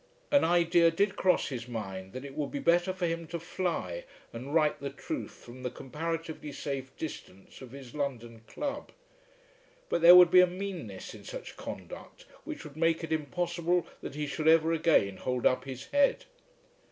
An idea did cross his mind that it would be better for him to fly and write the truth from the comparatively safe distance of his London club. But there would be a meanness in such conduct which would make it impossible that he should ever again hold up his head.